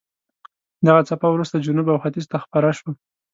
دغه څپه وروسته جنوب او ختیځ ته خپره شوه.